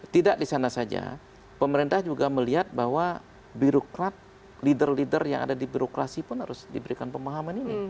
tidak di sana saja pemerintah juga melihat bahwa birokrat leader leader yang ada di birokrasi pun harus diberikan pemahaman ini